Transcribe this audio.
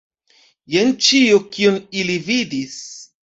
Jen ĉio, kion ili vidis.